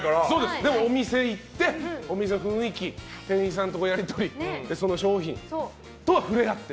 でもお店行って、お店の雰囲気店員さんとのやり取りその商品と触れ合ってる。